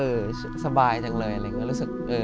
เออสบายจังเลยอะไรอย่างนี้